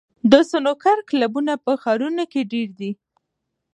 د سنوکر کلبونه په ښارونو کې ډېر دي.